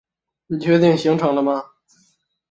你确定行程了吗？